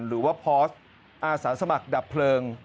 หรือว่าพอสอาสาสมัครดับเพลิง